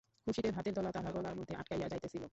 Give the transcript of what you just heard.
খুশিতে ভাতের দলা তাহার গলার মধ্যে আটকাইয়া যাইতেছিল যেন।